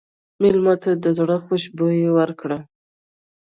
مېلمه ته د زړه خوشبويي ورکړه.